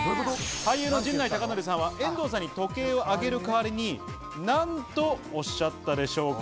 俳優の陣内孝則さんは、遠藤さんに時計をあげる代わりになんとおっしゃったでしょうか？